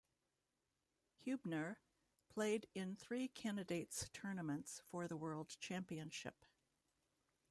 Hubner played in three Candidates Tournaments for the World Championship.